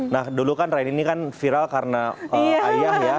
nah dulu kan raini ini kan viral karena ayah ya